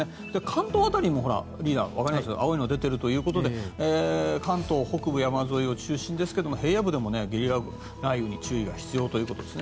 関東辺りも青いのが出ているということで関東北部山沿いを中心に平野部でもゲリラ雷雨に注意が必要ということです。